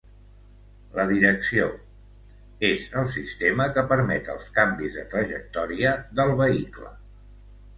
La direcció: és el sistema que permet els canvis de trajectòria del vehicle.